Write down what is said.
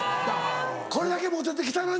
これだけモテて来たのに。